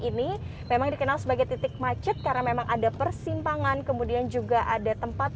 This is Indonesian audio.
ini memang dikenal sebagai titik macet karena memang ada persimpangan kemudian juga ada tempat